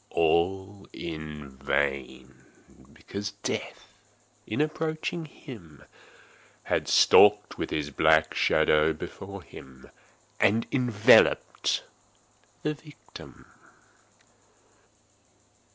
All in vain; because Death, in approaching him had stalked with his black shadow before him, and enveloped the victim.